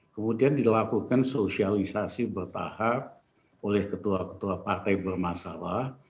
kemudian dilakukan sosialisasi bertahap oleh ketua ketua partai bermasalah